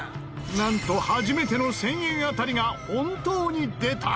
なんと初めての１０００円当たりが本当に出た！